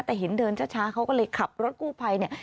แต่เห็นเดินช้าเขาก็เลยขับรถกู้ภัยเนี่ย